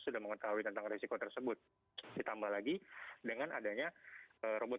jadi kita harus mengetahui tentang resiko tersebut ditambah lagi dengan adanya robot